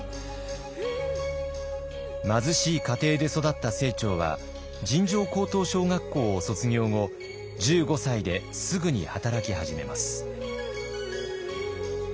貧しい家庭で育った清張は尋常高等小学校を卒業後１５歳ですぐに働き始めます。